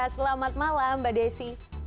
selamat malam mbak desi